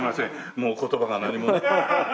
もう言葉が何もね足りなくて。